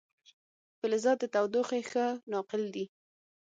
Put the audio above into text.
فلزات د تودوخې ښه ناقل دي.